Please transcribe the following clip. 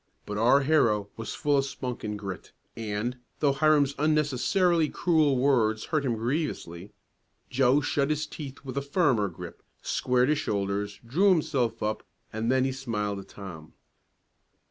But our hero was full of spunk and grit, and, though Hiram's unnecessarily cruel words hurt him grievously, Joe shut his teeth with a firmer grip, squared his shoulders, drew himself up, and then he smiled at Tom.